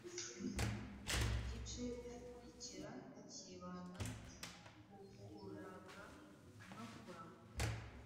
igice gikurikira cyibanda k’ukuraga no kuragwa.